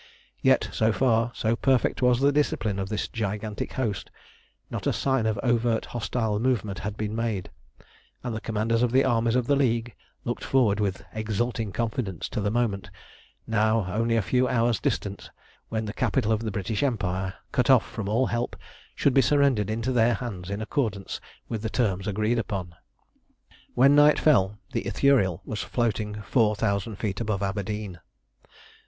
Yet so far, so perfect was the discipline of this gigantic host, not a sign of overt hostile movement had been made, and the commanders of the armies of the League looked forward with exulting confidence to the moment, now only a few hours distant, when the capital of the British Empire, cut off from all help, should be surrendered into their hands in accordance with the terms agreed upon. When night fell the Ithuriel was floating four thousand feet above Aberdeen.